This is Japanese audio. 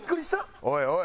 おいおい！